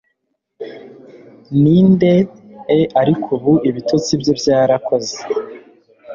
Ninde een ariko ubu ibitotsi bye byarakoze